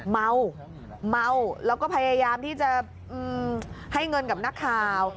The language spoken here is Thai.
เมาเมาแล้วก็พยายามที่จะให้เงินกับนักข่าว